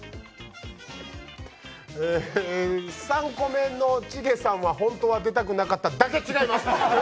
え３個目のチゲさんは本当は出たくなかっただけ違います！